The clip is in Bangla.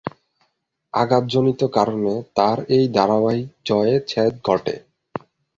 আঘাতজনিত কারণে তার এই ধারাবাহিক জয়ে ছেদ ঘটে।